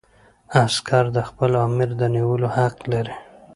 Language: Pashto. عسکر د خپل آمر د نیولو حق لري.